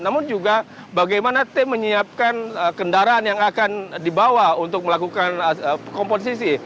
namun juga bagaimana tim menyiapkan kendaraan yang akan dibawa untuk melakukan komposisi